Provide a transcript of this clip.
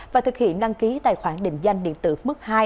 và thực hiện đăng ký tài khoản định danh điện tử mức hai